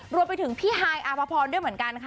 รวมเป็นถึงพี่ไฮอาฟ้าพรนด์ด้วยเหมือนกัน